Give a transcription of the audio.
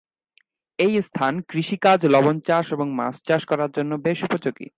এই স্থান কৃষি কাজ, লবণ চাষ ও মাছ চাষ করার জন্য বেশ উপযোগী।